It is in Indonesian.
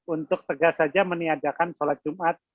untuk tegas saja meniadakan sholat jumat